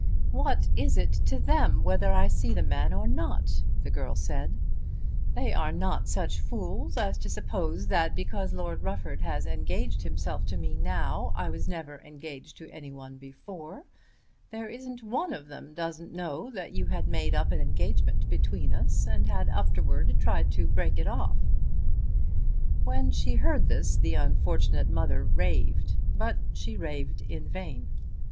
"What is it to them whether I see the man or not?" the girl said. "They are not such fools as to suppose that because Lord Rufford has engaged himself to me now I was never engaged to any one before. There isn't one of them doesn't know that you had made up an engagement between us and had afterwards tried to break it off." When she heard this the unfortunate mother raved, but she raved in vain.